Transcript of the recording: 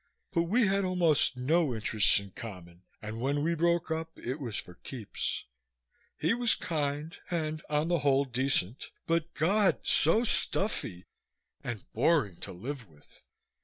But we had almost no interests in common and when we broke up it was for keeps. He was kind, and on the whole, decent, but God! so stuffy and boring to live with.